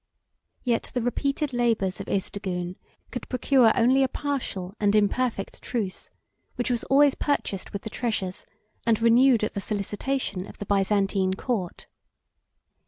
Yet the repeated labors of Isdigune could procure only a partial and imperfect truce, which was always purchased with the treasures, and renewed at the solicitation, of the Byzantine court.